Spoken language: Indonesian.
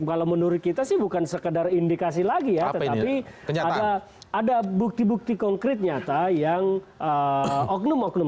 kalau menurut kita sih bukan sekedar indikasi lagi ya tetapi ada bukti bukti konkret nyata yang oknum oknum